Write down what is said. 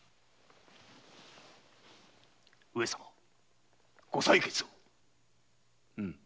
上様ご裁決を。